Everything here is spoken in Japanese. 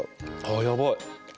あやばい。